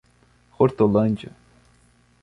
Hortolândia